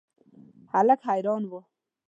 هلک حیران و.